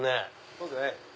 そうですね。